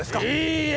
いいえ！